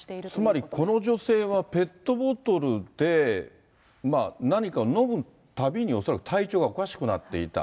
つまりこの女性は、ペットボトルで何かを飲むたびに、恐らく体調がおかしくなっていた。